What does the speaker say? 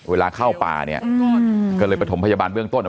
เวลาเข้าป่าเนี่ยก็เลยประถมพยาบาลเบื้องต้น